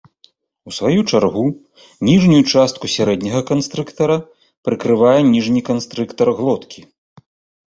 У сваю чаргу, ніжнюю частку сярэдняга канстрыктара прыкрывае ніжні канстрыктар глоткі.